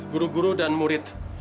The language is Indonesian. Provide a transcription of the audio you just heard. guru guru dan murid